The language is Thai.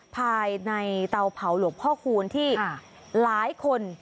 ภายในเตาเผาหลวงพ่อคูณที่หลายคน